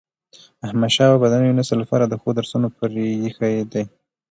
احمدشاه بابا د نوي نسل لپاره د ښو درسونه پريښي دي.